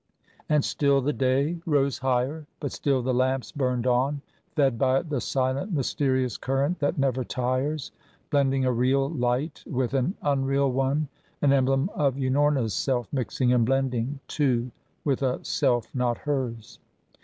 And still the day rose higher, but still the lamps burned on, fed by the silent, mysterious current that never tires, blending a real light with an unreal one, an emblem of Unorna's self, mixing and blending, too, with a self not hers.